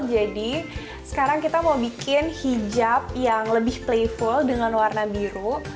jadi sekarang kita mau bikin hijab yang lebih playful dengan warna biru